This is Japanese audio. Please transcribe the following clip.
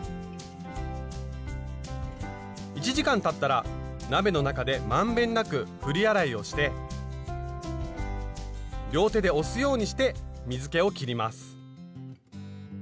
１時間たったら鍋の中で満遍なく振り洗いをして両手で押すようにして水けをきります。